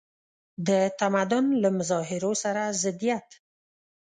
د تمدن له مظاهرو سره ضدیت.